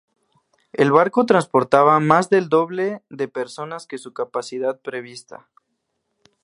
El barco transportaba más del doble de personas que su capacidad prevista.